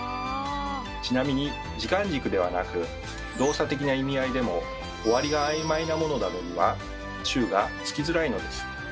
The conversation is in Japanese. ちなみに時間軸ではなく動作的な意味合いでも終わりがあいまいなものなどには「中」がつきづらいのです。